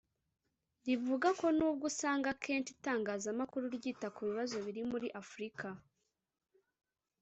rivuga ko nubwo usanga akenshi itangazamakuru ryita ku bibazo biri muri Afurika